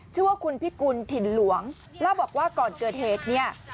ชื่อว่าคุณพิกุลถิ่นหลวงเล่าบอกว่าก่อนเกิดเหตุเนี่ย